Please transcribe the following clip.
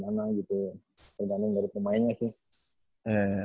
tergantung dari pemainnya sih